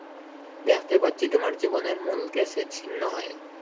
দেখতে পাচ্ছি তোমার জীবনের মূল গেছে ছিন্ন হয়ে।